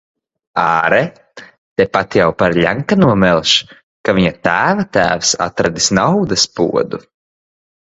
Āre, tepat jau par Ļenkano melš, ka viņa tēva tēvs atradis naudas podu.